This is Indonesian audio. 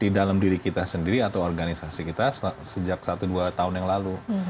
di dalam diri kita sendiri atau organisasi kita sejak satu dua tahun yang lalu